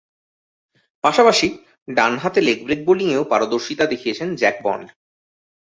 পাশাপাশি ডানহাতে leg break বোলিংয়েও পারদর্শিতা দেখিয়েছেন জ্যাক বন্ড।